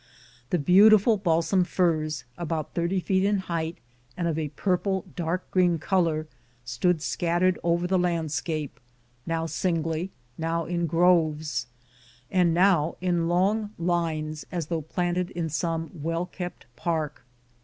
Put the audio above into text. The beautiful balsam firs, about thirty feet in height, and of a purple, dark green color, stood scattered over the landscape, now singly, now in groves, and now in long lines, as though planted in some well kept park.